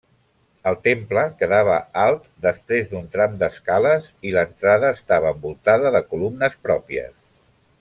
El temple quedava alt després d'un tram d'escales, i l'entrada estava envoltada de columnes pròpies.